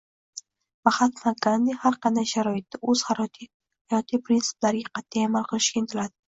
Mahatma Gandi har qanday sharoitda oʻz hayotiy prinsiplariga qatʼiy amal qilishga intiladi